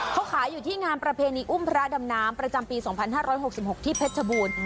เขาขายอยู่ที่งานประเพณีอุ้มพระดำน้ำประจำปีสองพันห้าร้อยหกสิบหกที่เพชรชบูรณ์